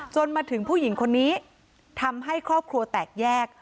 จนมาถึงผู้หญิงคนนี้ทำให้ครอบครัวแตกแยก